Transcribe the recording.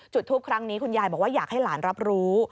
จุดทูปครั้งนี้คุณยายบอกว่าอยากให้หลานรับรู้